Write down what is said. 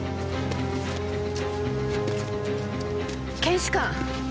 検視官。